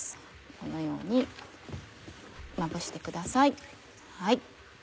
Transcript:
このようにまぶしてください。